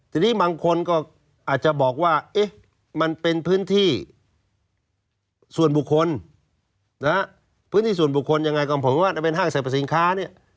ทีนี้บางคนก็อาจจะบอกว่ามันเป็นพื้นที่ส่วนบุคคลนะฮะพื้นที่ส่วนบุคคลยังไงของผมว่าจะเป็นห้างสรรพสินค้าเนี่ย